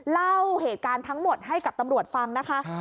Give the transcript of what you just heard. เล่าเหตุการณ์ทั้งหมดให้กับตำรวจฟังนะคะ